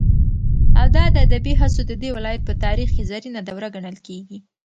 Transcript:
او د ادبي هڅو ددې ولايت په تاريخ كې زرينه دوره گڼل كېږي.